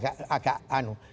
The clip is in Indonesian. sedikit agak anu